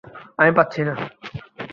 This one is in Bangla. আমি পাচ্ছি না।